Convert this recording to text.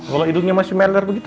kalau hidungnya masih meler begitu